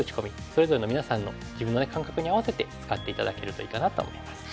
それぞれの皆さんの自分の感覚に合わせて使って頂けるといいかなと思います。